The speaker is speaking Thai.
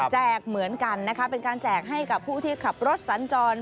เหมือนกันนะคะเป็นการแจกให้กับผู้ที่ขับรถสัญจร